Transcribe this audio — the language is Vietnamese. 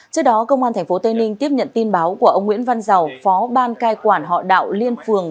trước đó công an tp tây ninh tiếp nhận tin báo của ông nguyễn văn giàu phó ban cai quản họ đạo liên phường